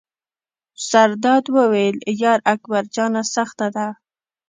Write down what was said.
زرداد وویل: یار اکبر جانه سخته ده.